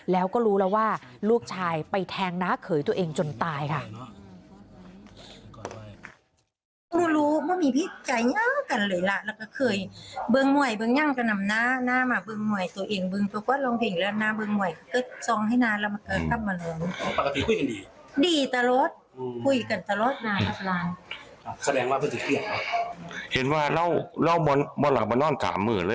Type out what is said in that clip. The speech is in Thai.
แล้วก็รู้แล้วว่าลูกชายไปแทงน้าเขยตัวเองจนตายค่ะ